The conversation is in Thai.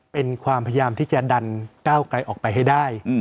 เป็นความพยายามที่จะดันก้าวไกลออกไปให้ได้